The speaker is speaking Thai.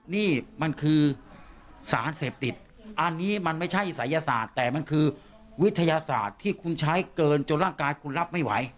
นี่มันคือสารเสพติดอันนี้มันไม่ใช่ศัยศาสตร์แต่มันคือวิทยาศาสตร์ที่คุณใช้เกินจนร่างกายคุณรับไม่ไหว